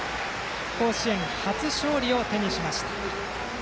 甲子園初勝利を手にしました。